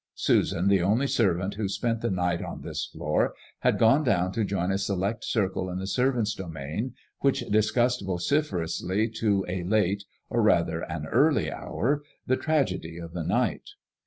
Susan, the only servant who spent the night on this floor, had gone down to join a select circle in the servants' domain, which dis cussed vociferously to a late, or rather an early hour, the tragedy of the night.